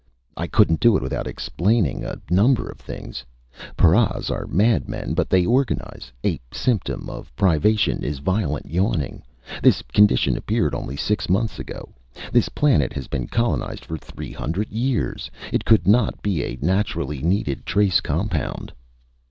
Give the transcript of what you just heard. "I couldn't do it without explaining a number of things. Paras are madmen, but they organize. A symptom of privation is violent yawning. This ... condition appeared only six months ago. This planet has been colonized for three hundred years. It could not be a naturally needed trace compound."